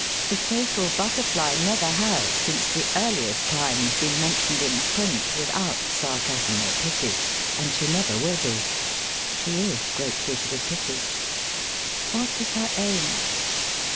The social butterfly never has since the earliest times been mentioned in print without sarcasm or pity, and she never will be. She is greatly to be pitied. What is her aim?